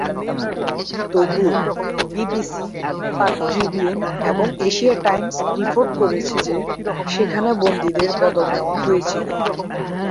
তবুও, "BBC", "Pak Tribune", এবং "Asia Times" report করেছে যে সেখানে বন্দীদের বদল নেওয়া হয়েছিল।